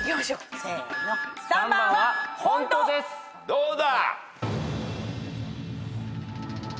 どうだ？